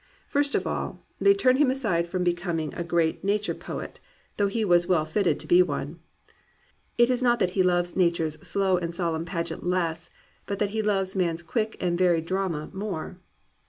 First of all they turned him aside from becoming 258 GLORY OF THE IMPERFECT" a great Nature poet, though he was well fitted to be one. It is not that he loves Nature's slow and solemn pageant less, but that he loves man's quick and varied drama more.